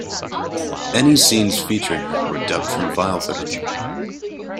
Any scenes featuring her were dubbed from file footage.